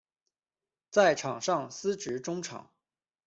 在场上司职中场。